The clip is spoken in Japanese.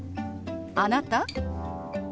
「あなた？」。